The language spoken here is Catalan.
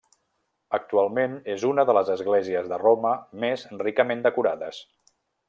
Actualment, és una de les esglésies de Roma més ricament decorades.